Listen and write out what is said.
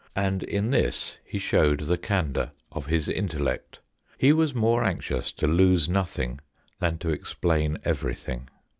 And in this he showed the candour of his intellect. He was more anxious to lose nothing than to explain every thing.